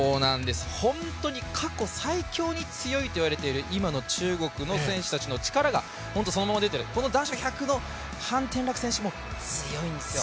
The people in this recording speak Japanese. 本当に過去最強に強いと言われている今の中国の選手たちの力がそのまま出てる、この男子１００の潘展樂選手も強いんですよ。